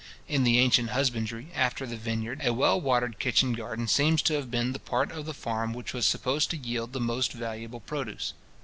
In the ancient husbandry, after the vineyard, a well watered kitchen garden seems to have been the part of the farm which was supposed to yield the most valuable produce.